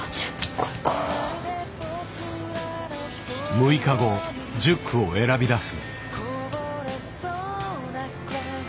６日後１０句を選び出す。